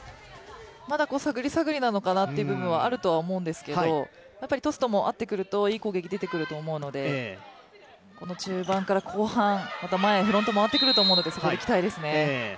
まだ探り探りなのかなという部分はあるとは思うんですけどやっぱりトスと合ってくるといい攻撃が出てくると思うのでこの中盤から後半、またフロントに回ってくると思うので期待ですね。